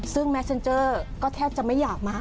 ซึ่งแมทเซ็นเจอร์ก็แทบจะไม่อยากมา